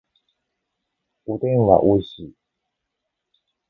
おでんはおいしい